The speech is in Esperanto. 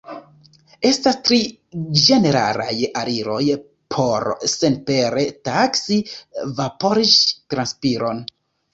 Estas tri ĝeneralaj aliroj por senpere taksi vaporiĝ-transpiron.